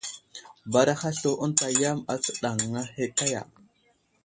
Baaraha slu ənta yam astəɗaŋŋa ahe kaya !